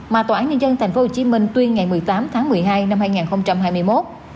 mà tòa án nhân dân thành phố hồ chí minh tuyên ngày một mươi tám tháng một mươi hai năm hai nghìn hai mươi một